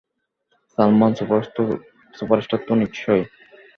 Salman superstar তো নিশ্চয়।